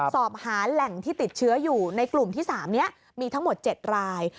สอบหาแหล่งที่ติดเชื้ออยู่ในกลุ่มที่๓นี้มีทั้งหมด๗ราย